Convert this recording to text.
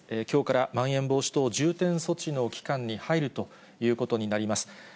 きょうからまん延防止等重点措置の期間に入るということになります。